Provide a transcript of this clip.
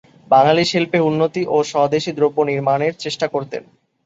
বাঙালির শিল্পে উন্নতি ও স্বদেশী দ্রব্য নির্মাণের চেষ্টা করতেন।